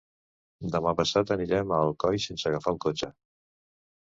Demà passat anirem a Alcoi sense agafar el cotxe.